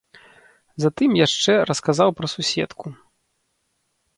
Затым яшчэ расказаў пра суседку.